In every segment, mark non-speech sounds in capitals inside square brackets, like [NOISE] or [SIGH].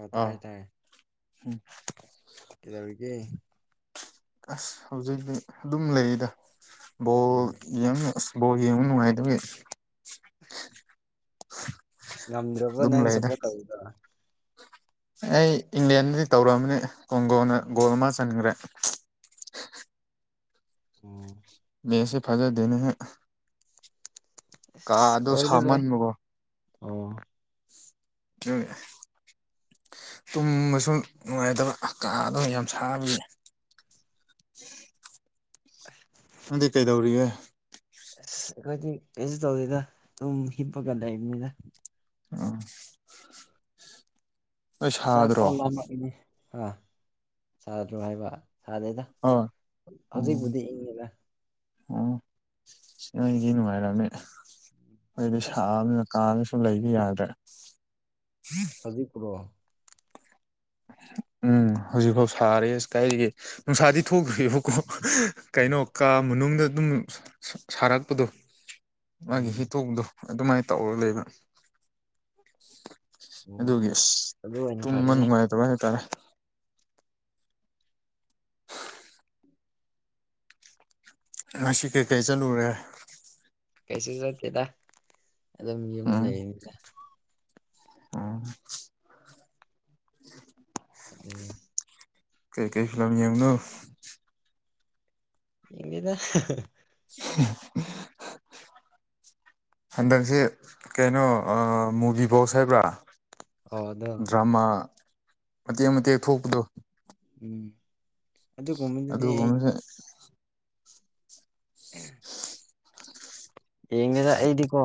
ꯑ ꯇꯥꯏ ꯑꯥ ꯇꯥꯏꯌꯦ ꯎꯝ ꯀꯗꯕꯤꯒꯤ ꯑꯁ ꯍꯧꯖꯤꯛꯇꯤ ꯑꯗꯨꯝ ꯂꯩꯔꯤꯗ ꯎꯝ ꯌꯥꯝ ꯕꯣ ꯌꯦꯡ ꯅꯨꯡꯉꯥꯏ ꯑꯗꯨꯒꯤ ꯑ ꯉꯝꯗ꯭ꯔꯕ ꯑꯗꯨꯝ ꯅꯪ ꯂꯩꯗ ꯁꯄꯣꯔꯠ ꯇꯧꯗ ꯑꯩ ꯏꯪꯂꯦꯟꯗꯗꯤ ꯇꯧꯔꯑꯕꯅꯤ ꯀꯣꯡꯒꯣꯅ ꯒꯣꯜ ꯑꯃ ꯆꯟꯈ꯭ꯔꯦ ꯎꯝ ꯃꯦꯁ ꯍꯤꯐꯥꯖ ꯗꯅ ꯍ [INAUDIBLE] ꯑꯣꯏꯔꯔꯣꯢ ꯁꯥꯃꯟꯕꯀꯣ ꯑꯣ ꯊ [INAUDIBLE] ꯇꯨꯝꯕꯁꯨ ꯅꯨꯡꯉꯥꯏꯇꯕ ꯀꯥꯗꯅ ꯌꯥꯝ ꯁꯥꯕꯒꯤ ꯅꯪꯗꯤ ꯀꯩꯗꯧꯔꯤꯒꯦ ꯑꯁ ꯑꯩꯈꯣꯏꯗꯤ ꯀꯩꯁꯨ ꯇꯧꯗꯦꯗ ꯑꯗꯨꯝ ꯍꯤꯞꯄꯒ ꯂꯩꯕ ꯃꯤꯗ ꯑ ꯆꯥꯛ ꯁꯥꯗ꯭ꯔꯣ ꯀꯣꯡ ꯂꯝꯃꯛꯏꯅꯤ ꯑꯥ ꯁꯥꯗ꯭ꯔꯣ ꯍꯥꯏꯕ ꯁꯥꯗꯦꯗ ꯑꯣ ꯎꯝ ꯍꯧꯖꯤꯛꯄꯨꯗꯤ ꯏꯪꯉꯤꯗ ꯑꯣ ꯅꯣꯏꯒꯤ ꯅꯨꯡꯉꯥꯏꯔꯝꯅꯦ ꯑꯩꯗꯤ ꯑꯁ ꯁꯥꯕꯅ ꯀꯥꯅꯁꯨ ꯂꯩꯕ ꯌꯥꯗ꯭ꯔꯦ ꯍꯧꯖꯤꯛꯄꯨꯨꯔꯣ ꯎꯝ ꯍꯧꯖꯤꯛꯐꯥꯎ ꯁꯥꯔꯦ ꯑꯁ ꯀꯥꯏꯔꯤꯒꯦ ꯅꯨꯡꯁꯥꯗꯤ ꯊꯣꯛꯇ꯭ꯔꯤꯑꯕꯀꯣ ꯀꯩꯅꯣ ꯀꯥ ꯃꯅꯨꯡꯗ ꯑꯗꯨꯝ ꯁꯥꯔꯛꯄꯗꯣ ꯃꯥꯒꯤ ꯎꯝ ꯍꯤꯇꯣꯡꯗꯣ ꯑꯗꯨꯃꯥꯏꯅ ꯇꯧꯔ ꯂꯩꯕ ꯑꯣ ꯑꯗꯨꯒꯤ ꯑꯁ ꯑꯗꯨ ꯑꯣꯏꯅ ꯇꯨꯝꯕ ꯐꯔꯦꯅꯦ ꯅꯨꯡꯉꯥꯏꯇꯕ ꯍꯥꯏꯇꯥꯔꯦ ꯉꯁꯤ ꯀꯩꯀꯩ ꯆꯠꯂꯨꯔꯦ ꯀꯩꯁꯨ ꯆꯠꯇꯦꯗ ꯑꯗꯨꯝ ꯌꯨꯝ ꯂꯩꯅꯤꯗ ꯑꯣ ꯑꯗꯨ ꯀꯩꯀꯩ ꯐꯤꯂꯝ ꯌꯦꯡꯕꯅꯣ ꯌꯦꯡꯗꯦꯗ ꯎ [INAUDIBLE] ꯍꯟꯗꯛꯁꯤ ꯀꯩꯅꯣ ꯃꯨꯕꯤ ꯕꯣꯛꯁ ꯍꯥꯏꯕ꯭ꯔꯥ ꯑꯣ ꯑꯗꯣ ꯗ꯭ꯔꯃꯥ ꯃꯇꯦꯛ ꯃꯇꯦꯛ ꯊꯣꯛꯄꯗꯣ ꯎꯝ ꯑꯗꯨꯒꯨꯝꯕꯗꯨꯗꯤ ꯑꯩ ꯑꯗꯨꯒꯨꯝꯕꯁꯦ ꯌꯦꯡꯒꯦꯗ ꯑꯩꯗꯤꯀꯣ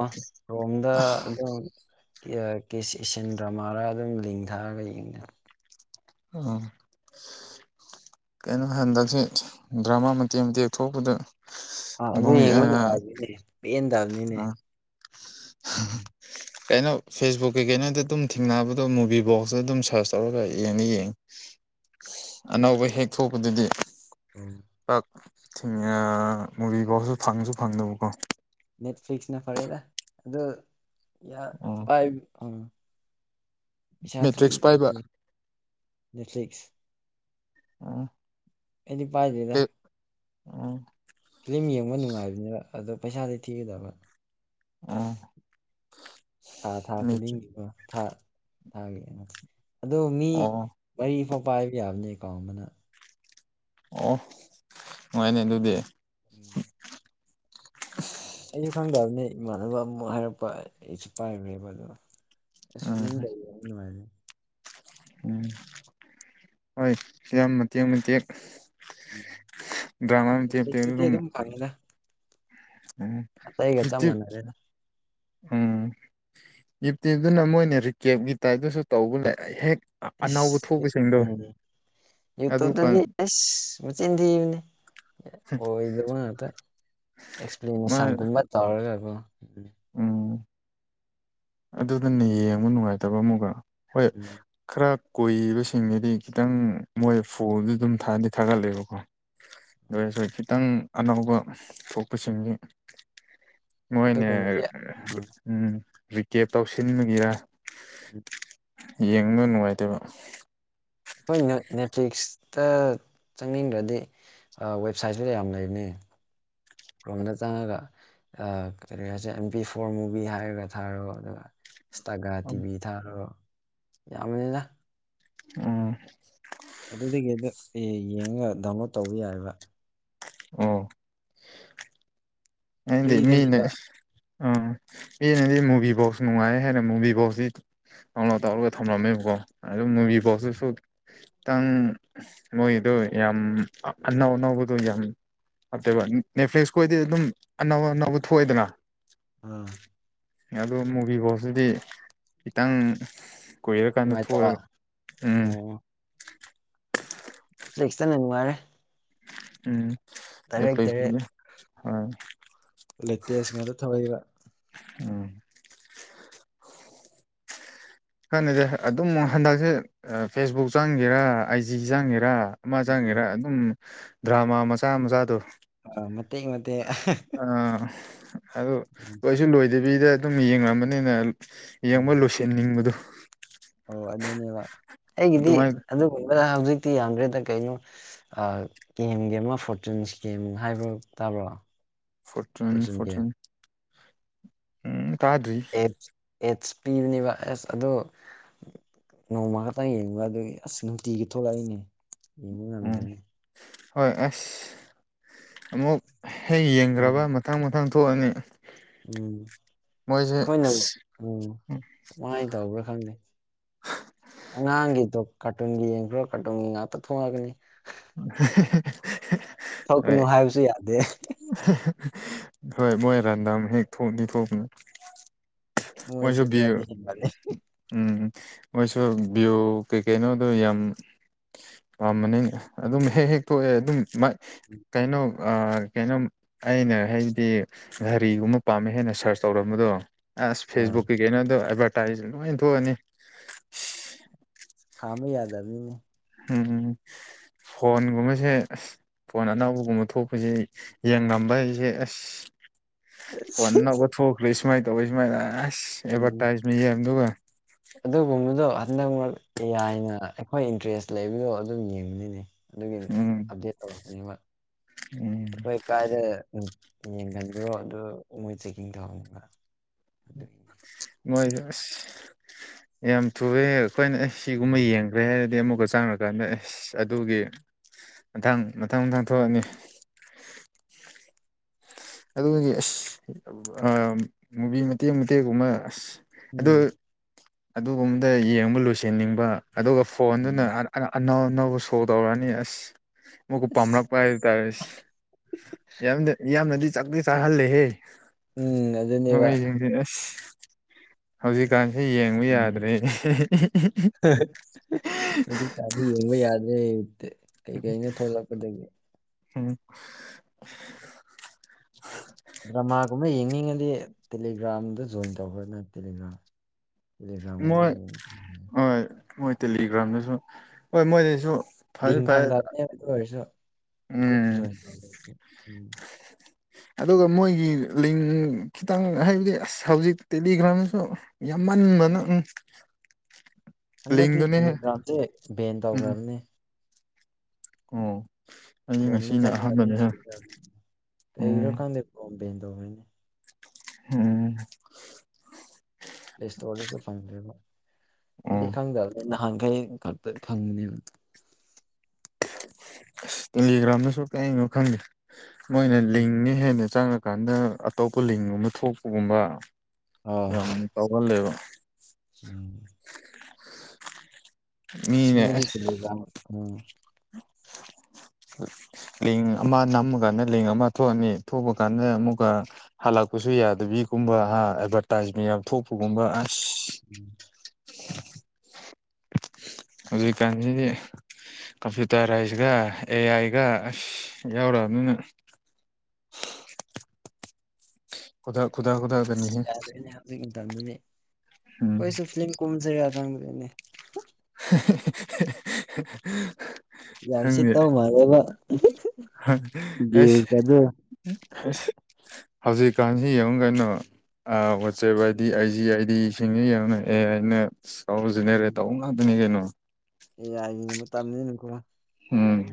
ꯔꯣꯝꯗ ꯑꯗꯨꯝ ꯀꯤꯁ ꯏꯟ ꯗ꯭ꯔꯃꯥꯔꯥ ꯑꯗꯨꯝ ꯂꯤꯡꯊꯥꯔꯒ ꯌꯦꯡꯅ ꯑꯥ ꯀꯩꯅꯣ ꯍꯟꯗꯁꯤ ꯗ꯭ꯔꯃꯥ ꯃꯇꯦꯛ ꯃꯇꯦꯛ ꯊꯣꯛꯄꯗ ꯑꯥ ꯑꯗꯨ ꯌꯦꯡꯕ ꯅꯨꯡꯉꯥꯏꯗꯣꯏꯅꯦ ꯄꯦꯟꯦꯟꯗꯕꯅꯤꯅꯦ ꯎꯝ [UNINTELLIGIBLE] ꯀꯩꯅꯣ ꯐꯦꯁꯕꯨꯛꯀꯤꯩ ꯀꯩꯅꯣꯗ ꯑꯗꯨꯝ ꯊꯦꯡꯅꯕꯗꯣ ꯃꯨꯚꯤꯕꯣꯛꯁꯇ ꯑꯗꯨꯝ ꯁꯔꯁ ꯇꯧꯔꯒ ꯌꯦꯡꯅ ꯌꯦꯡꯉꯤ ꯑꯅꯧꯕ ꯍꯦꯛ ꯊꯣꯛꯄꯗꯗꯤ ꯎꯝ ꯥꯛꯉ ꯃꯨꯚ ꯐꯥꯎꯁꯨ ꯐꯪꯁꯨ ꯐꯪꯗꯕꯀꯣ ꯅꯦꯠꯐ꯭ꯂꯤꯛꯁꯅ ꯐꯔꯦꯗ ꯑꯗꯣ ꯌꯥ ꯑꯣ ꯄꯥꯏ ꯑꯥ ꯁꯇ꯭ꯔꯤ ꯃꯦꯇ꯭ꯔꯤꯛꯁ ꯄꯥꯏꯕ ꯅꯦꯠꯐ꯭ꯂꯛꯁ [INAUDIBLE] ꯑꯣ ꯑꯩꯗꯤ ꯄꯥꯏꯗ‌ꯦꯗ ꯀꯩ ꯑꯣ ꯐꯤꯂꯝ ꯌꯦꯡꯕ ꯅꯨꯡꯉꯥꯏꯕꯅꯤꯕ ꯑꯗꯣ ꯄꯩꯁꯥꯗꯤ ꯊꯤꯒꯗꯕ ꯑꯣ ꯊꯥ ꯊꯥ ꯃꯦꯇ꯭ꯔꯤꯛ ꯈꯨꯗꯤꯡꯒꯤ ꯊꯥ ꯊꯥꯒꯦ ꯑꯗꯣ ꯃꯤ ꯑꯣ ꯃꯔꯤ ꯐꯥꯎ ꯄꯥꯏꯕ ꯌꯥꯕꯅꯦ ꯑꯦꯀꯥꯎꯟ ꯑꯃꯅ ꯑꯣ ꯅꯨꯡꯉꯥꯏꯅꯦ ꯑꯗꯨꯗꯤ ꯎꯝ ꯑꯩꯁꯨ ꯈꯪꯗꯕꯅꯦ ꯏꯃꯥꯟꯅꯕ ꯑꯃꯨꯛ ꯍꯥꯏꯔꯛꯄ ꯑꯩꯁꯨ ꯄꯥꯏꯔꯦꯕ ꯑꯗꯨ ꯏꯁꯁ ꯎꯝ ꯐ ꯀꯅꯨꯡꯉꯥꯏꯔꯦ ꯎꯝ ꯍꯣꯏ ꯐꯤꯂꯝ ꯃꯇꯦꯛ ꯃꯇꯦꯛ ꯎꯝ ꯗ꯭ꯥꯔꯃ ꯃꯇꯦꯛ ꯃꯇꯦꯛ ꯁꯨꯝ ꯐꯪꯉꯤꯅ ꯎꯝ ꯃꯥꯟꯅꯔꯦꯗ [UNINTELLIGIBLE] ꯎꯝ ꯌꯨꯇ꯭ꯌꯨꯕꯇꯅ ꯃꯣꯏꯅ ꯔꯤꯀꯦꯞꯀꯤ ꯇꯥꯏꯞꯇꯁꯨ ꯇꯧꯕ ꯂꯩ ꯍꯦꯛ ꯑꯅꯧꯕ ꯑꯁ ꯊꯣꯛꯄꯁꯤꯡꯗꯣ ꯎꯝ ꯑꯗꯨ ꯀꯥꯟ ꯌꯨꯇ꯭ꯌꯨꯕꯇꯗꯤ ꯑꯦꯁ ꯃꯆꯤꯟ ꯊꯤꯕꯅꯦ ꯑꯣꯏꯗꯕ ꯉꯥꯛꯇ ꯃꯥ ꯑꯦꯛꯁꯄ꯭ꯂꯦꯅꯦꯁꯟꯒꯨꯝꯕ ꯇꯧꯔꯒꯀꯣ ꯎꯝ ꯑꯗꯨꯗꯅ ꯌꯦꯡꯕ ꯅꯨꯡꯉꯥꯏꯇꯕ ꯑꯃꯨꯛꯀ ꯍꯣꯏ ꯎꯝ ꯈꯔ ꯀꯨꯏꯕꯁꯤꯡꯒꯤꯗꯤ ꯈꯤꯇꯪ ꯃꯣꯏ ꯐꯣꯟꯗꯨ ꯑꯗꯨꯝ ꯊꯥꯗꯤ ꯊꯥꯒꯠꯂꯦꯕꯀꯣ ꯗꯨꯑꯣꯏꯔꯁꯨ ꯈꯤꯇꯪ ꯑꯅꯧꯕ ꯊꯣꯛꯄꯁꯤꯡꯒꯤ ꯃꯣꯏꯅ ꯑꯗꯨꯒꯨꯝꯕꯗꯤ ꯎꯝ ꯔꯤꯀꯦꯞ ꯇꯧꯁꯤꯟꯕꯒꯤꯔ [INAUDIBLE] ꯌꯦꯡꯕ ꯅꯨꯡꯉꯥꯏꯇꯦꯕ ꯑꯩꯈꯣꯏ ꯅꯦꯠꯐ꯭ꯂꯤꯛꯁꯇ ꯆꯪꯅꯤꯡꯗ꯭ꯔꯗꯤ ꯑꯥ ꯋꯦꯕꯁꯥꯏꯠꯁꯨ ꯌꯥꯝ ꯂꯩꯕꯅꯤ ꯀ꯭ꯔꯣꯝꯗ ꯆꯪꯉꯒ ꯀꯔꯤ ꯍꯥꯏꯁꯦ ꯑꯦꯝ ꯄꯤ ꯐꯣꯔ ꯃꯨꯚꯤ ꯍꯥꯏꯔꯒ ꯊꯥꯔꯣ ꯑꯗꯨꯒ ꯁ꯭ꯇꯥꯒꯥ ꯇꯤꯚꯤ ꯊꯥꯔꯣ ꯌꯥꯝꯕꯅꯤꯗ ꯑꯣ ꯑꯗꯨꯗꯒꯤ ꯑꯗꯨ ꯑꯦ ꯌꯦꯡꯉꯒ ꯗꯥꯎꯟꯂꯣꯗ ꯇꯧꯕ ꯌꯥꯏꯕ ꯑꯣ [UNINTELLIGIBLE] ꯃꯤꯅꯥ ꯐ꯭ꯔꯤꯗꯅꯦꯕ ꯑꯣ ꯃꯤꯅꯗꯤ ꯃꯨꯚꯤꯕꯣꯛꯁ ꯅꯨꯡꯉꯥꯏ ꯍꯥꯏꯔ ꯃꯨꯚꯤꯕꯣꯛꯁꯗꯤ ꯗꯥꯎꯟꯂ‌ꯣꯠ ꯇꯧꯔꯒ ꯊꯝꯂꯝꯃꯦꯕꯀꯣ ꯑꯗꯨꯝ ꯃꯨꯚꯤ ꯕꯣꯛꯁꯇꯨꯁꯨ ꯈꯤꯇꯪ ꯃꯣꯏꯗꯣ ꯌꯥꯝ ꯑꯅꯧ ꯑꯅꯧꯕꯗꯣ ꯌꯥꯝ ꯅꯠꯇꯦꯕ ꯅꯦꯠꯐ꯭ꯂꯤꯛꯁ ꯈꯣꯏꯗꯤ ꯑꯗꯨꯝ ꯑꯅꯧ ꯑꯅꯧꯕ ꯊꯣꯛꯑꯦꯗꯅ ꯑꯥ ꯑꯗꯨ ꯃꯨꯚꯤ ꯕꯣꯛꯁꯇꯗꯤ ꯈꯤꯇꯪ ꯀꯨꯏꯔꯀꯥꯟꯗ ꯅꯨꯡꯉꯥꯏꯇꯕ ꯊꯣꯛꯑꯦꯕ ꯎꯝ ꯑꯣ [UNINTELLIGIBLE] ꯎꯝ ꯗꯥꯏꯔꯦꯛ ꯗꯥꯏꯔꯦꯛ ꯅꯦꯠꯐ꯭ꯂꯤꯛꯁꯄꯨꯗꯤ ꯍꯣꯏ ꯂꯦꯇꯦꯁ ꯉꯥꯛꯇ ꯊꯣꯛꯑꯦꯕ ꯎꯝ ꯈꯪꯗꯦꯗ ꯑꯗꯨꯝ ꯍꯟꯗꯛꯁꯦ ꯐꯦꯁꯕꯨꯛ ꯆꯪꯒꯦꯔꯥ ꯑꯥꯏ ꯖꯤ ꯆꯪꯒꯦꯔꯥ ꯑꯃ ꯎꯝ ꯆꯪꯒꯦꯔꯥ ꯑꯗꯨꯝ ꯗ꯭ꯔꯃꯥ ꯃꯆꯥ ꯃꯆꯥꯗꯣ ꯑ ꯃꯇꯦꯛ ꯃꯇꯦꯛ ꯑꯥ ꯑꯗꯨ ꯎꯝ ꯂꯣꯏꯁꯨ ꯂꯣꯏꯗꯕꯤꯗ ꯑꯗꯨꯝ ꯌꯦꯡꯉꯝꯕꯅꯤꯅ ꯎꯝ ꯌꯦꯡꯕ ꯂꯣꯏꯁꯤꯟꯅꯤꯡꯕꯗꯨ ꯑꯣ ꯑꯗꯨꯅꯦꯕ ꯑꯩꯒꯤꯗꯤ ꯑꯗꯨꯃꯥꯏꯅ ꯑꯗꯨꯒꯨꯝꯕ ꯍꯧꯖꯤꯛꯇꯤ ꯌꯥꯝꯗ꯭ꯔꯦꯗ ꯀꯩꯅꯣ ꯒꯦꯝꯒꯤ ꯑꯃ ꯐꯣꯔꯆꯨꯟꯁ ꯒꯦꯝ ꯍꯥꯏꯕ ꯇꯥꯕ꯭ꯔꯣ ꯐꯣꯔꯆꯨꯟ ꯐꯣꯔꯆꯨꯟ ꯎꯝ ꯇꯥꯗ꯭ꯔꯤ ꯑꯦꯠꯁ ꯑꯦꯠꯁ ꯄꯤꯕꯅꯦꯕ ꯑꯦꯁ ꯑꯗꯣ ꯅꯣꯡꯃ ꯈꯛꯇꯪ ꯌꯦꯡꯕ ꯑꯗꯨꯒꯤ ꯑꯁ ꯅꯨꯡꯇꯤꯒꯤ ꯊꯣꯛꯂꯛꯏꯅꯦ ꯌꯦꯡꯕ ꯎꯝ ꯉꯝꯗ꯭ꯔꯦꯅꯦ ꯍꯣꯏ ꯑꯁ ꯑꯃꯨꯛ ꯍꯦꯛ ꯎꯝ ꯌꯦꯡꯒ꯭ꯔꯕ ꯃꯊꯪ ꯃꯊꯪ ꯊꯣꯛꯑꯅꯤ ꯎꯝ ꯃꯣꯏꯁꯦ ꯑꯩꯈꯣꯏꯅ ꯎꯝ ꯀꯃꯥꯏꯅ ꯇꯧꯕ꯭ꯔꯥ ꯈꯪꯗꯦ ꯑꯉꯥꯡꯒꯤꯗꯣ ꯀꯥꯔꯇꯨꯟꯒꯤ ꯌꯦꯡꯈ꯭ꯔꯣ ꯀꯥꯔꯇꯨꯟꯒꯤ ꯉꯥꯛꯇ ꯊꯣꯡꯂꯥꯛꯀꯅꯤ [INAUDIBLE] ꯍꯣꯏ ꯊꯣꯛꯀꯅꯨ ꯍꯥꯏꯕꯁꯨ ꯌꯥꯗꯦ ꯍꯣꯏ ꯃꯣꯏ ꯔꯦꯟꯗꯥꯝ ꯍꯦꯛ ꯊꯣꯛꯑꯗꯤ ꯊꯣꯛꯄꯅꯤ ꯃꯣꯏꯁꯦ ꯃꯣꯏꯁꯨ ꯈꯔꯗꯤ [UNINTELLIGIBLE] ꯍꯦꯟꯒꯠꯂꯦ ꯎꯝ ꯃꯣꯏꯁꯨ ꯚ꯭ꯌꯨ ꯀꯩꯀꯩꯅꯣꯗꯨ ꯌꯥꯝ ꯄꯥꯝꯕꯅꯤ ꯑꯗꯨꯝ ꯍꯦꯛ ꯍꯦꯛ ꯊꯣꯛꯑꯦ ꯑꯗꯨꯝ ꯃꯥꯏ ꯀꯩꯅꯣ ꯑꯥ ꯀꯩꯅꯣꯝ ꯑꯩꯅ ꯍꯥꯏꯗꯤ ꯘꯔꯤꯒꯨꯝꯕ ꯄꯥꯝꯃꯦ ꯍꯦꯟꯅ ꯁꯔꯁ ꯇꯧꯔꯝꯕꯗꯣ ꯑꯁ ꯑꯥ ꯐꯦꯁꯕꯨꯛꯀꯤ ꯀꯩꯅꯣꯗꯣ ꯑꯦꯗꯚꯔꯇꯥꯏꯖ ꯂꯣꯏ ꯊꯣꯛꯑꯅꯤ ꯈꯥꯝꯃꯤ ꯌꯥꯗ ꯑꯃꯤꯅꯦ ꯎꯝ ꯐꯣꯟꯒꯨꯝꯕꯁꯦ ꯑꯁ ꯐꯣꯟ ꯑꯅꯥꯎꯕ ꯑꯃ ꯊꯣꯛꯄꯁꯦ ꯌꯦꯟ ꯉꯝꯕ ꯑꯩꯁꯦ ꯑꯁ ꯐꯣꯟꯅꯕ ꯊꯣꯛꯈ꯭ꯔꯦ ꯁꯨꯃꯥꯏꯅ ꯇꯧꯋ ꯁꯨꯃꯥꯏꯅ ꯑꯁ ꯎꯝ ꯑꯦꯗꯚꯔꯇꯥꯏꯖꯃ ꯌꯦꯡ ꯑꯗꯨꯒ ꯑꯗꯨꯒꯨꯝꯕꯗꯣ ꯍꯟꯗꯛ ꯃꯔ ꯌꯥꯏꯅ ꯑꯩꯈꯣꯏ ꯏꯟꯇꯔꯦꯁ ꯂꯩꯕꯗꯣ ꯑꯗꯨꯝ ꯌꯦꯡꯕꯅꯤꯅꯦ ꯑꯗꯨꯒꯤ ꯎꯝ ꯑꯞꯗꯦꯠ ꯇꯧꯔꯛꯄꯅꯦꯕ ꯎꯝ ꯑꯩꯈꯣꯏ ꯀꯥꯏꯗ ꯌꯦꯡꯒꯟꯕ꯭ꯔꯣ ꯑꯗꯨ ꯃꯣꯏ ꯆꯦꯛꯀꯤꯡ ꯇꯧꯍꯟꯅꯤꯡꯕ ꯑꯗꯨꯒꯤꯅꯤ ꯃꯣꯏꯗ ꯑꯁ ꯌꯥꯝ ꯊꯨꯑꯦ ꯑꯩꯈꯣꯏꯅ ꯁꯤꯒꯨꯝꯕ ꯌꯦꯡꯉ ꯐꯩ ꯍꯥꯏꯔꯗꯤ ꯑꯃꯨꯛꯀ ꯆꯥꯡꯔꯀꯥꯟꯗ ꯑꯦꯁ ꯑꯗꯨꯒꯤ ꯃꯊꯪ ꯃꯊꯪ ꯃꯊꯪ ꯊꯣꯛꯑꯅꯤ ꯑꯗꯨꯒꯤ ꯑꯁ ꯃꯨꯚꯤ ꯃꯇꯦꯛ ꯃꯇꯦꯛꯒꯨꯝꯕ ꯑꯁ ꯑꯗꯨ ꯎꯝ ꯑꯗꯨꯒꯨꯝꯕꯗ ꯌꯦꯡꯕ ꯂꯣꯏꯁꯟꯅꯤꯡꯕ ꯑꯗꯨꯒ ꯐꯣꯟꯗꯨꯅ ꯑꯅꯧ ꯑꯅꯧꯕ ꯐꯣ ꯇꯧꯔꯛꯑꯅꯤ ꯑꯁ ꯃꯣꯏꯀ ꯑꯁ ꯄꯥꯝꯂꯛꯄ ꯍꯥꯏꯇꯥꯔꯦ ꯑꯁ ꯌꯥꯝ ꯌꯥꯝꯅꯗꯤ ꯆꯥꯛꯇꯤ ꯆꯥꯍꯜꯂꯦꯍꯦ ꯎꯝ ꯑꯗꯨꯅꯦꯕ ꯍꯣꯏꯗꯤ ꯑꯁ ꯍꯧꯖꯤꯛꯀꯥꯟꯁꯤ ꯌꯦꯡꯕ ꯎꯝ ꯌꯥꯗ꯭ꯔꯦ ꯀꯗꯤ ꯌꯦꯡꯕ ꯌꯥꯗ꯭ꯔꯦ ꯀꯩ ꯀꯩꯅ ꯊꯣꯛꯂꯛꯀꯗꯒꯦ ꯍꯝ ꯗ꯭ꯔꯃꯥꯒꯨꯝꯕ ꯌꯦꯡꯅꯤꯡꯉꯗꯤ ꯇꯦꯂꯤꯒ꯭ꯔꯥꯝꯗ ꯖꯣꯏꯟ ꯇꯧꯍꯅ ꯇꯦꯂꯤꯒ꯭ꯔꯥꯝ ꯃꯣꯏ [UNINTELLIGIBLE] ꯍꯣꯏ ꯃꯣꯏ ꯇꯦꯂꯤꯒ꯭ꯔꯥꯝꯗꯁꯨ ꯍꯣꯏ ꯃꯣꯏꯗꯩꯁꯨ ꯂꯤꯡ ꯐꯪꯗꯕꯅꯦ ꯑꯗꯨ ꯑꯣꯏꯔꯁꯨ ꯒ꯭ꯔꯨꯞ ꯎꯝ ꯖꯟ ꯇ ꯎꯝ ꯑꯗꯨꯒ ꯃꯣꯏꯒꯤ ꯂꯤꯡ ꯈꯤꯇꯪ ꯍꯥꯏꯕꯗꯤ ꯑꯁ ꯍꯧꯖꯤꯛ ꯇꯗꯤ ꯀꯅꯥꯅꯁꯨ ꯌꯥꯝꯃꯟꯗꯅ ꯎꯝ ꯍꯟꯗꯛꯇꯤ ꯂꯤꯡꯗꯨꯅꯦꯍꯦ ꯇꯦꯂꯤꯒ꯭ꯔꯥꯝꯁꯦ ꯕꯦꯟ ꯎꯝ ꯇꯧꯈ꯭ꯔꯕꯅꯦ ꯑꯣ ꯑꯩ ꯀ꯭ꯔꯣꯝꯗ ꯉꯁꯤꯅ ꯆꯥꯉꯒ ꯑꯗꯨꯝ ꯑꯍꯥꯟꯕꯅꯦꯍꯦ ꯎꯝ ꯀꯩꯈ꯭ꯔꯀꯥꯟꯗ ꯀꯣꯝ ꯄꯦꯟ ꯇꯧꯕꯣꯏꯅꯦ ꯎꯝ ꯄ꯭ꯂꯦ ꯏꯁꯇꯣꯔꯗꯁꯨ ꯐꯪꯈ꯭ꯔꯦꯕ ꯑꯩꯗꯤ ꯑꯣ ꯈꯪꯗꯕꯅꯦ ꯅꯍꯥꯟꯈꯩ ꯉꯇ ꯐꯪꯕꯅꯦꯕ ꯑꯁ ꯇꯦꯂꯤꯒ꯭ꯔꯥꯝꯗꯁꯨ ꯀꯔꯤꯅꯣ ꯈꯪꯗꯦ ꯃꯣꯏꯅ ꯎꯝ ꯂꯤꯡꯅ ꯍꯦꯟꯅ ꯆꯪꯉꯛ ꯀꯥꯟꯗ ꯑꯇꯣꯞꯄ ꯂꯤꯡꯒꯨꯝꯕ ꯊꯣꯛꯄꯒꯨꯝꯕ ꯑꯣ ꯌꯥꯝ ꯇꯥꯎꯍꯜꯂꯦꯕ ꯎꯝ ꯏꯁ ꯃꯤꯅꯦ ꯑꯁ ꯅꯣꯏꯗꯤ ꯇꯤꯂꯤꯒꯔꯥꯝ ꯎꯝ ꯂꯤꯡ ꯑꯃ ꯅꯝꯃꯀꯥꯟꯗ ꯂꯤꯡ ꯑꯃ ꯊꯣꯛꯑꯅꯤ ꯊꯣꯛꯄ ꯀꯥꯟꯗ ꯑꯃꯨꯛꯀ ꯍꯜꯂꯛ ꯀꯁꯨ ꯌꯥꯗꯕꯤꯒꯨꯝꯕ ꯍꯥ ꯑꯦꯗꯚꯔꯇꯥꯏꯖꯃꯦꯟ ꯌꯥꯝ ꯊꯣꯛꯄꯒꯨꯝꯕ ꯑꯁ ꯎꯝ ꯍꯧꯖꯤꯛꯀꯥꯟꯁꯤꯗꯤ ꯀꯝꯄ꯭ꯌꯨꯇꯔꯥꯏꯁꯒ ꯑꯦ ꯑꯥꯏꯒ ꯑꯁ ꯌꯥꯎꯔꯛꯑꯕꯅꯤꯅ ꯈꯨꯗ ꯈꯨꯗ ꯈꯨꯗ ꯑꯁ ꯌꯥꯗꯣꯏꯅꯦ ꯍꯧꯖꯤꯛ ꯃꯇꯝꯗꯤ ꯎꯝ ꯀꯈꯁꯨ ꯐꯤꯂꯝ ꯀꯨꯝꯁꯔ ꯈꯪꯗꯣꯏꯅꯦ [UNINTELLIGIBLE] ꯌꯥꯝ ꯍꯦ ꯁꯤꯠꯇꯧ ꯃꯥꯜꯂꯦꯕ [INAUDIBLE] ꯑꯁ ꯚ꯭ꯌꯨꯁꯀꯗꯣ ꯑꯁ ꯍꯧꯖꯤꯛꯀꯥꯟꯁꯤ ꯌꯦꯡꯉ ꯀꯩꯅꯣ ꯋꯥꯆꯦꯞ ꯍꯥꯏꯗꯤ ꯎꯝ ꯑꯩꯖꯤ ꯑꯥꯏꯗꯤ ꯁꯤꯡꯉꯤ ꯌꯦꯡꯅ ꯑꯦ ꯑꯩꯅ ꯆꯥꯎꯔꯨꯁꯤꯅꯦꯔꯦ [INAUDIBLE] ꯎꯝ ꯇꯧꯕ ꯉꯥꯛꯇꯅꯤ ꯀꯩꯅꯣ ꯑꯦ ꯌꯥꯏꯒꯤ ꯃꯇꯝ ꯅꯤꯅꯀꯣ ꯎꯝ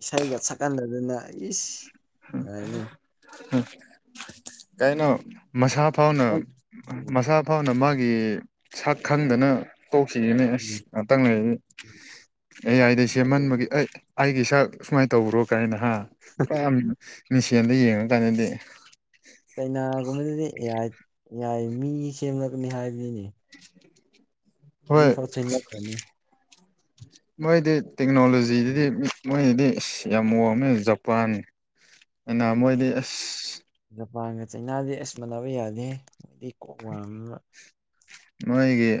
ꯏꯁꯩꯒ ꯁꯛꯀꯟꯗꯗꯅ ꯏꯁ ꯌꯥꯥꯏꯅꯦ ꯀꯩꯅꯣ ꯃꯁꯥ ꯐꯥꯎꯅ ꯃꯁꯥ ꯑꯐꯥꯎꯅ ꯃꯥꯒꯤ ꯁꯛ ꯈꯪꯗꯅ ꯇꯣꯛꯁꯤꯅꯤꯅꯦ ꯎꯝ ꯑꯁ ꯉꯥꯇꯪ ꯂꯩꯔꯗꯤ ꯑꯦ ꯑꯥꯏꯗ ꯑꯗꯨ ꯁꯦꯝꯃꯟꯕꯒꯤ ꯑꯩ ꯑꯩꯒꯤ ꯁꯛ ꯁꯨꯃꯥꯏꯅ ꯇꯧꯕ꯭ꯔꯣ ꯀꯥꯏꯅ ꯍꯥ ꯄꯨꯔꯥ ꯃꯤꯡꯁꯦꯜꯗ ꯌꯦꯡꯉ ꯀꯥꯟꯗꯗꯤ ꯆꯩꯅꯥꯒꯨꯝꯕꯗꯗꯤ ꯌꯥꯏ ꯃꯤ ꯁꯦꯝꯂꯛꯒꯅꯤ ꯍꯥꯏꯕꯅꯤꯅꯦ ꯍꯣꯏ ꯃꯤ ꯐꯧ [INAUDIBLE] ꯈꯅꯤ ꯃꯣꯏꯗꯤ ꯇꯦꯛꯅꯣꯂꯣꯖꯤꯗꯨꯗꯤ ꯃꯤ ꯃꯣꯏꯗꯤ ꯑꯁ ꯌꯥꯝ ꯋꯥꯡꯃꯦ ꯖꯄꯥꯟ ꯑꯅ ꯎꯝ ꯃꯣꯏꯗꯤ ꯑꯁ ꯖꯄꯥꯟꯒ ꯆꯩꯅꯥꯗꯤ ꯑꯁ ꯃꯥꯟꯅꯕ ꯌꯥꯗꯦ ꯃꯣꯏꯗꯤ ꯀꯣꯛ ꯋꯥ ꯃꯣꯏꯒꯤ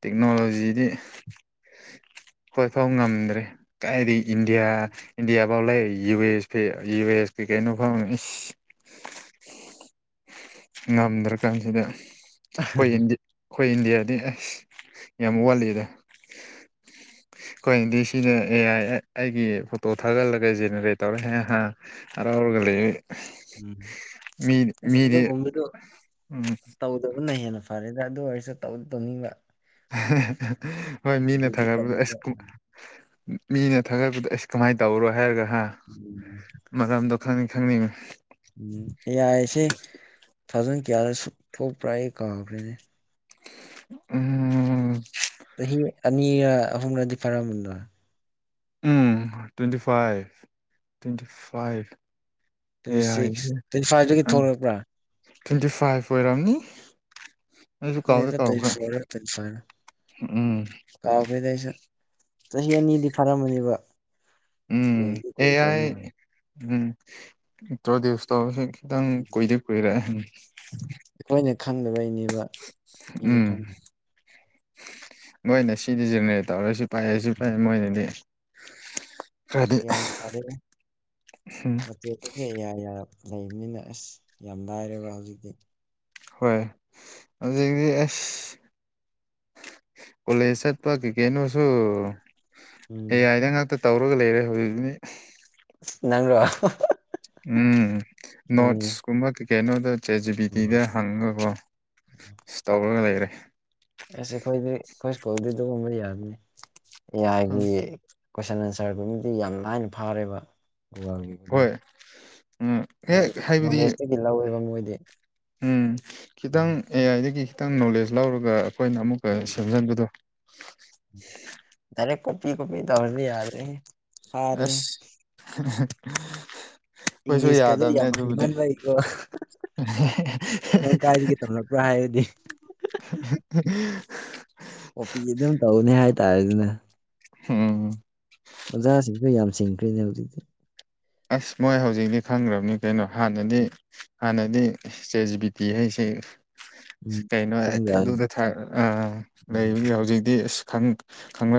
ꯇꯦꯛꯅꯣꯂꯣꯖꯤꯗꯤ ꯍꯣꯏꯐꯧ ꯉꯝꯗ꯭ꯔꯦ ꯀꯥꯏꯗꯩ ꯏꯟꯗꯤꯌꯥ ꯏꯟꯗꯤꯌꯥꯐꯥꯎ ꯂꯩ U S P U S P ꯀꯩꯅꯣ ꯐꯥꯎ ꯉꯝꯗ꯭ꯔꯀꯥꯟꯁꯤꯗ ꯑꯩꯈꯣꯏꯤꯟꯗꯤ ꯑꯩꯈꯣꯏ ꯏꯟꯗꯤꯌꯥꯗꯤ ꯑꯁ ꯌꯥꯝ ꯋꯥꯠꯂꯤꯗ ꯑꯩꯈꯣꯏꯗꯤ ꯁꯤꯅ ꯑꯦ ꯑꯥꯏ ꯑꯩꯒꯤ ꯐꯣꯇꯣ ꯊꯥꯒꯠꯂꯒ ꯖꯦꯅꯦꯔꯦꯠ ꯇꯧꯔꯦ ꯍꯔꯥꯎꯔꯒ ꯂꯩ ꯎꯝ ꯃꯤꯗꯤ ꯑꯁ ꯃꯤꯗꯤ ꯑꯗꯨꯒꯨꯝꯕꯗꯣ ꯎꯝ ꯇꯧꯗꯕꯅ ꯍꯦꯟꯅ ꯐꯔꯦꯗ ꯑꯗꯨ ꯑꯣꯏꯔꯁꯨ ꯇꯧꯗꯤ ꯇꯧꯅꯤꯡꯕ ꯍꯣꯏ ꯃꯤꯅ ꯑꯗꯨꯗꯤ ꯊꯥꯒꯠꯄꯗ ꯑꯁ ꯇꯧꯅꯤꯡꯕ ꯃꯤꯅ ꯊꯥꯒꯠꯄꯗ ꯑꯁ ꯀꯃꯥꯏꯅ ꯇꯧꯔꯣ ꯍꯥꯏꯔꯒ ꯍꯥ ꯎꯝ ꯃꯔꯝꯗꯣ ꯈꯪꯅꯤꯡ ꯈꯪꯅꯤꯡ ꯎꯝ ꯌꯥꯏꯁꯦ ꯊꯥꯖꯟ ꯀꯌꯥꯗ ꯁꯨ ꯊꯣꯛꯄ꯭ꯔꯥ ꯑꯩ ꯀꯥꯎꯈ꯭ꯔꯦꯅꯦ ꯎꯝ ꯆꯍꯤ ꯑꯅꯤꯔ ꯑꯍꯨꯝꯂꯗꯤ ꯐꯥꯔꯝꯕꯗ꯭ꯔ [INAUDIBLE] ꯎꯝ twenty five twenty five twenty ꯑꯦ ꯁꯤꯛꯁ ꯑꯥꯏꯁꯦ ꯇ꯭ꯋꯦꯟꯇꯤ ꯐꯥꯏꯚꯇꯗꯒꯤ ꯊꯣꯛꯂꯛꯄ꯭ꯔꯥ ꯇ꯭ꯋꯦꯟꯇꯤ ꯐꯥꯏꯚ ꯑꯣꯏꯔꯝꯅꯤ ꯅꯁꯨ ꯀꯥꯎꯗ ꯈꯪꯗꯦꯗ ꯇ꯭ꯋꯦꯟꯇꯤ ꯇꯧꯔꯕ꯭ꯔꯥ ꯐꯣꯔꯔ ꯇ꯭ꯋꯦꯟꯇꯤ ꯐꯥꯏꯚꯔ ꯎꯝ ꯀꯥꯎꯈ꯭ꯔꯦꯗ ꯑꯩꯁꯨ ꯆꯍꯤ ꯑꯅꯤꯗꯤ ꯐꯥꯔꯝꯃꯅꯦꯕ ꯎꯝ ꯀꯨꯏꯗꯤ ꯀꯨꯏꯈ꯭ꯔꯕ ꯑꯦꯌꯥꯥꯏ ꯃꯥꯜꯂꯦ ꯎꯝ ꯇ꯭ꯔꯣ ꯁꯇꯁ ꯈꯤꯇꯪ ꯎꯝ ꯀꯨꯏꯗꯤ ꯀꯨꯏꯔꯑꯦ ꯑꯩꯈꯣꯏꯅ ꯈꯪꯗꯕꯩꯅꯦꯕ ꯃꯤꯗꯤ ꯎꯝ ꯈꯪꯈ꯭ꯔꯦ ꯅꯣꯏꯅꯦ ꯁꯤꯗꯤ ꯖꯦꯅꯦꯔꯦ ꯇꯧꯔꯁꯨ ꯄꯥꯏꯑꯁꯨ ꯄꯥꯏꯑ ꯃꯣꯏꯅꯗꯤ ꯈꯔꯗꯤ ꯒꯌ꯭ꯥꯟ ꯇꯗꯦꯗꯥ ꯃꯆꯨꯖꯤ ꯌꯥ ꯂꯩꯕꯅꯤꯅ ꯑꯁ ꯌꯥꯝ ꯂꯥꯏꯔꯦꯕ ꯍꯧꯖꯤꯛꯇꯤ ꯍꯣꯏ [INAUDIBLE] ꯑꯁ ꯀꯣꯂꯦꯖ ꯆꯠꯄ ꯀꯩ ꯀꯩꯅꯣꯁꯨ ꯎꯝ ꯑꯦ ꯑꯥꯏꯗ ꯉꯥꯛꯇ ꯇꯧꯔꯒ ꯂꯩꯔꯦ ꯍꯧꯖꯤꯛꯤ [INAUDIBLE] ꯅꯪ꯭ꯔꯣ ꯎꯝ ꯅꯣꯠꯁꯀꯨꯝꯕ ꯀꯩ ꯀꯩꯅꯣꯗ ꯆꯦ ꯖꯤ ꯕꯤ ꯇꯤꯗ ꯍꯪꯉꯀꯣ ꯇꯧꯔꯒ ꯂꯩꯔꯦ ꯑꯁ ꯑꯩꯈꯣꯏꯗꯤ ꯑꯩꯈꯣꯏ ꯁ꯭ꯀꯨꯜꯗꯤ ꯑꯗꯨꯒꯨꯝꯕ ꯌꯥꯅꯤ ꯌꯥꯒꯤ ꯀꯣꯏꯁꯟ ꯑꯟꯁꯔꯒꯨꯝꯕꯗꯤ ꯌꯥꯝ ꯂꯥꯏꯅ ꯐꯥꯔꯦꯕ ꯒꯨꯒꯜꯒꯤ ꯍꯣꯏ ꯎꯝ ꯍꯦꯛ ꯍꯥꯏꯕꯗꯤ ꯅꯣꯂꯦꯖꯇꯗꯤ ꯂꯧꯋꯦꯕ ꯃꯣꯏꯗꯤ ꯎꯝ ꯎꯝ ꯈꯤꯇꯪ ꯑꯦ ꯑꯥꯏꯗꯒꯤ ꯈꯤꯇꯪ ꯅꯣꯂꯦꯖ ꯂꯧꯔꯒ ꯑꯩꯈꯣꯏꯅ ꯑꯃꯨꯛꯀ ꯎꯝ ꯁꯦꯝꯖꯟꯕꯗꯣ ꯌꯥꯔꯦ ꯀꯣꯄꯤ ꯀꯣꯄꯤ ꯇꯧꯔꯅꯤ ꯌꯥꯗꯔꯦ ꯑꯁ ꯑꯩꯈꯣꯏꯁꯨ ꯏꯪꯂꯤꯁꯀꯖꯨ ꯌꯥꯗꯕꯅꯦ ꯌꯥꯝ ꯑꯗꯨꯕꯨꯗꯤ ꯍꯩꯃꯟꯕꯩꯀꯣ ꯅꯪ ꯀꯥꯏꯗꯒꯤ ꯇꯝꯂꯛꯄ꯭ꯔꯥ ꯍꯥꯏꯔꯗꯤ [UNINTELLIGIBLE] ꯑꯣꯐꯤꯁ ꯑꯗꯨꯝ ꯇꯧꯅꯤ ꯍꯥꯏꯇꯥꯔꯦ ꯗꯅ ꯍꯎꯝ ꯑꯣꯖꯥꯁꯤꯡꯁꯨ ꯌꯥꯝ ꯁꯤꯡꯈ꯭ꯔꯤꯅꯦ ꯍꯧꯖꯤꯛꯇꯤ ꯑꯁ ꯃꯣꯏ ꯍꯧꯖꯤꯛꯇꯤ ꯈꯪꯈ꯭ꯔꯕꯅꯤ ꯀꯩꯅꯣ ꯍꯥꯟꯅꯗꯤ ꯍꯥꯟꯅꯗꯤ ꯆꯦꯖꯤ ꯕꯤ ꯇꯤ ꯍꯥꯏꯁꯦ ꯎꯝ ꯀꯩꯅꯣ ꯈꯪꯗꯕꯅꯤ ꯑꯗꯨꯗ ꯂꯩ ꯎꯝ ꯍꯧꯖꯤꯛꯇꯤ ꯑ ꯈꯪ ꯈꯪꯕ ꯈ [INAUDIBLE]